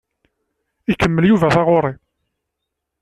Ikemmel Yuba taɣuri.